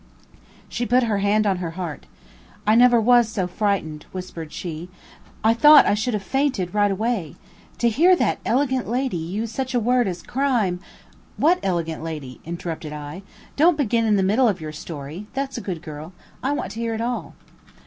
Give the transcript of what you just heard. She put her hand on her heart. "I never was so frightened," whispered she, "I thought I should have fainted right away. To hear that elegant lady use such a word as crime, " "What elegant lady?" interrupted I. "Don't begin in the middle of your story, that's a good girl; I want to hear it all."